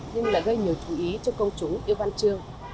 nhưng là gây nhiều chú ý cho công chúng yêu văn trường